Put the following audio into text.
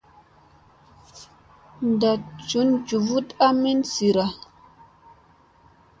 Ndat njun njuvut a min zira.